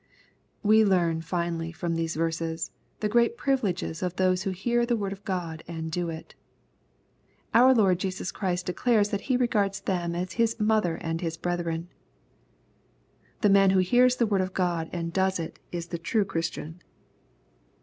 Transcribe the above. We learn, finally, from these verses, the great privileges of those who hear the word of God and do it. Our Lord Jesus Christ declares that He regards them as his *^ mother and his brethren." The man who hears the word of God, and does it, is the true Christian.